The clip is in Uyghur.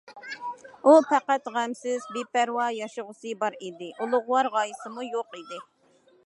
ئۇ پەقەت غەمسىز، بىپەرۋا ياشىغۇسى بار ئىدى، ئۇلۇغۋار غايىسىمۇ يوق ئىدى.